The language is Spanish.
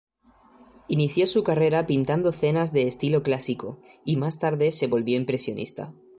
Inició su carrera pintando cenas de estilo clásico, y más tarde se volvió impresionista.